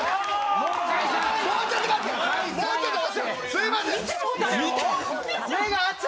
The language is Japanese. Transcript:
すいません！